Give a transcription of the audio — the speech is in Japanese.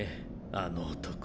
あの男。